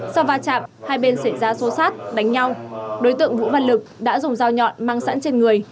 sau va chạm hai bên xảy ra xô xát đánh nhau đối tượng vũ văn lực đã dùng dao nhọn mang sẵn trên người